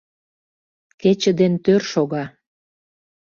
Кече ден тӧр шога.